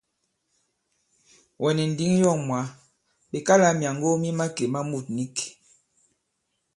Wɛ̀ nì ǹndǐŋ yɔ̂ŋ mwǎ ɓe kalā myàŋgo mi màkè ma mût nīk.